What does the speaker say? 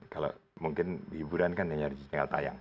kalau mungkin hiburan kan hanya tinggal tayang